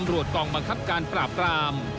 ตำรวจกองบังคับการปราบราม